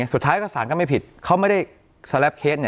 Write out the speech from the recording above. สุดท้ายก็สารก็ไม่ผิดเขาไม่ได้สแลปเคส